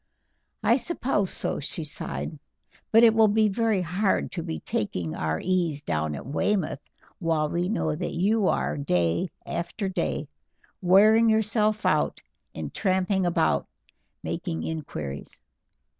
"I suppose so," she sighed; "but it will be very hard to be taking our ease down at Weymouth while we know that you are, day after day, wearing yourself out in tramping about making inquiries."